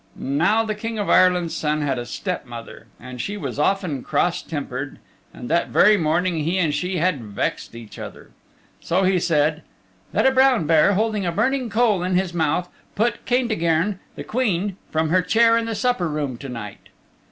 Now the King's Son had a step mother, and she was often cross tempered, and that very morning he and she had vexed each other. So he said, "Let a brown bear, holding a burning coal in his mouth, put Caintigern the Queen from her chair in the supper room to night."